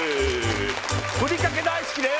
ふりかけ大好きです